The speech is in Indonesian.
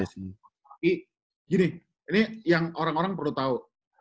tapi gini ini yang orang orang perlu tahu